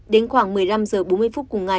đến khoảng một mươi năm h bốn mươi phút cùng ngày